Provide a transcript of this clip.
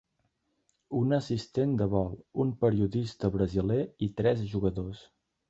Una assistent de vol, un periodista brasiler i tres jugadors.